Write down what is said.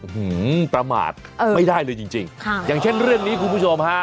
หือประมาทไม่ได้เลยจริงจริงค่ะอย่างเช่นเรื่องนี้คุณผู้ชมฮะ